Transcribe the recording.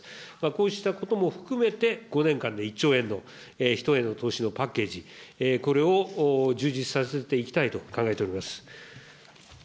こうしたことも含めて、５年間で１兆円の人への投資のパッケージ、これを充実させていきたいと考えております。